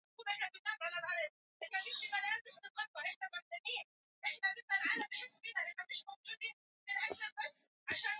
Alikuwa mwimbaji na mwanamuziki muhimu kutoka nchini Jamaika